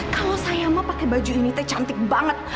kalau saya mah pake baju ini tuh cantik banget